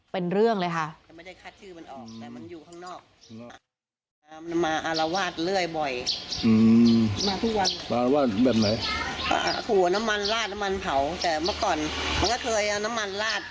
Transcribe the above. เป็นเรื่องเลยค่ะ